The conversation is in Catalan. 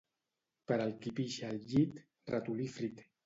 Per al qui pixa al llit, ratolí frit.